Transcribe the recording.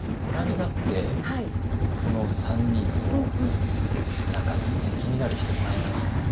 ご覧になってこの３人の中で気になる人いましたか？